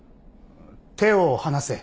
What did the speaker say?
「手を離せ」